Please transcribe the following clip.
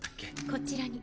こちらに。